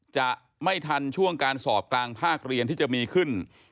จะไม่ทันช่วงการสอบกลางภาคเรียนที่จะมีขึ้น